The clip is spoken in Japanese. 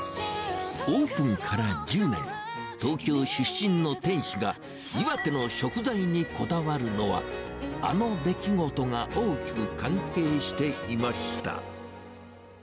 オープンから１０年、東京出身の店主が、岩手の食材にこだわるのは、あの出来事が大きく関係していました。